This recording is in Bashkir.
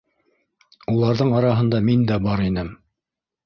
Уларҙың араһында мин дә бар инем.